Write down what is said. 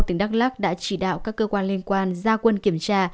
tỉnh đắk lắc đã chỉ đạo các cơ quan liên quan ra quân kiểm tra